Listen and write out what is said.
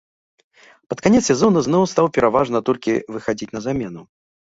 Пад канец сезону зноў стаў пераважна толькі выхадзіць на замену.